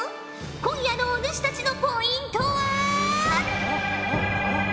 今夜のお主たちのポイントは。